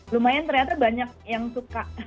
lumayan ternyata banyak yang suka